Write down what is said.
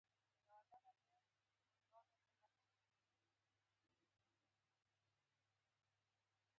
تاسو موږ ته د جومات د نقشې نښې بیان کړئ.